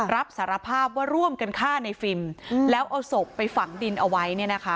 รับสารภาพว่าร่วมกันฆ่าในฟิล์มแล้วเอาศพไปฝังดินเอาไว้